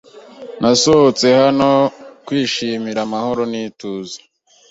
Nasohotse hano kwishimira amahoro n'ituze